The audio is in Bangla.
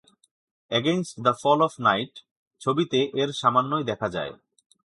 "Against the fall of night" ছবিতে এর সামান্যই দেখা যায়।